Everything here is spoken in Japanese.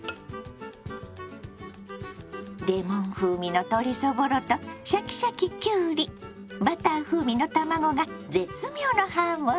レモン風味の鶏そぼろとシャキシャキきゅうりバター風味の卵が絶妙のハーモニー！